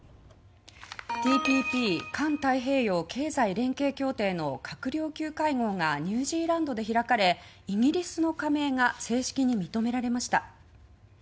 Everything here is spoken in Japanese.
ＴＰＰ・環太平洋経済連携協定の閣僚級会合がニュージーランドで開かれイギリスの加盟が正式に認められました。